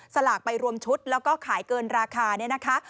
สลากไปรวมชุดแล้วก็ขายเกินราคาเนี่ยนะคะ